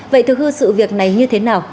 vậy thưa khu sự việc này như thế nào